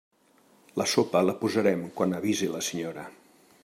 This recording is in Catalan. La sopa la posarem quan avise la senyora.